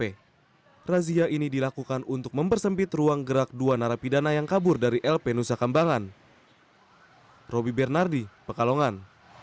razia ini dilakukan untuk mempersempit ruang gerak dua narapidana yang kabur dari lp nusa kambangan